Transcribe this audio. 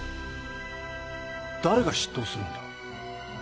誰が執刀するんだ？